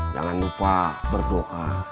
jangan lupa berdoa